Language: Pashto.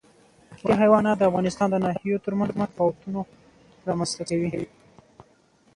وحشي حیوانات د افغانستان د ناحیو ترمنځ تفاوتونه رامنځ ته کوي.